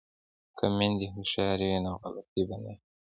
که میندې هوښیارې وي نو غلطي به نه وي.